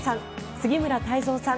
杉村太蔵さん